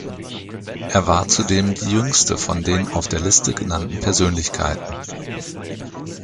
Er war zudem die jüngste von den auf der Liste genannten Persönlichkeiten.